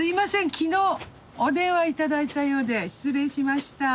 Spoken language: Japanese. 昨日お電話頂いたようで失礼しました。